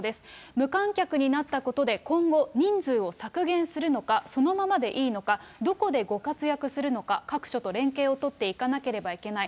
無観客になったことで、今後、人数を削減するのか、そのままでいいのか、どこでご活躍するのか、各所と連携を取っていかなければいけない。